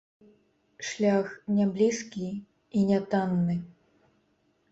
Шлях няблізкі і нятанны.